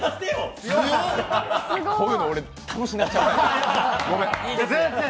こういうの俺楽しなっちゃう。